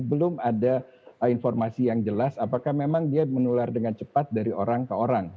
belum ada informasi yang jelas apakah memang dia menular dengan cepat dari orang ke orang